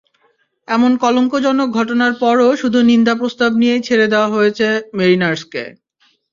এমন কলঙ্কজনক ঘটনার পরও শুধু নিন্দা প্রস্তাব নিয়েই ছেড়ে দেওয়া হয়েছে মেরিনার্সকে।